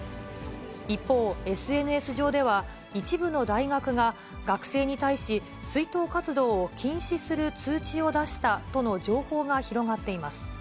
一方、ＳＮＳ上では、一部の大学が学生に対し、追悼活動を禁止する通知を出したとの情報が広がっています。